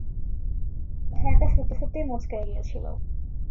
ঘাড়টা সত্যসত্যই মচকাইয়া গিয়াছিল।